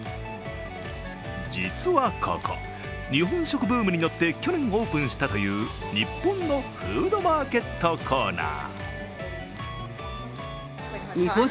実はここ、日本食ブームに乗って去年オープンしたという日本のフードマーケットコーナー。